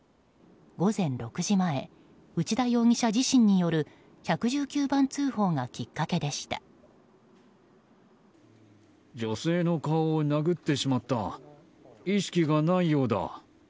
午前６時前内田容疑者自身による１１９番通報がきっかけでした。